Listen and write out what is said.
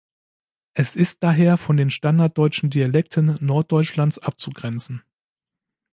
Es ist daher von den standarddeutschen Dialekten Norddeutschlands abzugrenzen.